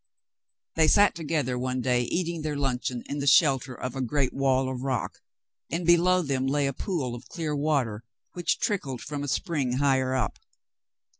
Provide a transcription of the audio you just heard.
They sat together one day, eating their luncheon in the shelter of a great wall of rock, and below them lay a pool of clear water which trickled from a spring higher up.